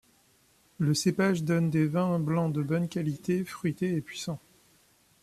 Le cépage donne des vins blancs de bonne qualité, fruités et puissants.